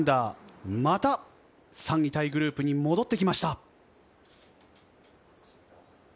また３位タイグループに戻ってきました。